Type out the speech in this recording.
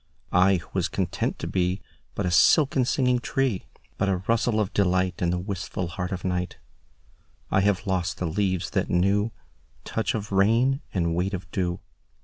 I who was content to beBut a silken singing tree, But a rustle of delightIn the wistful heart of night,I have lost the leaves that knewTouch of rain and weight of dew.